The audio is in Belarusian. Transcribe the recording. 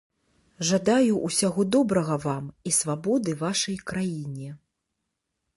Жадаю усяго добрага вам і свабоды вашай краіне.